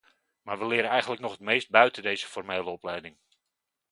Maar we leren eigenlijk nog het meest buiten deze formele opleiding.